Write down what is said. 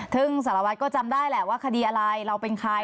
ซึ่งสารวัตรก็จำได้แหละว่าคดีอะไรเราเป็นใคร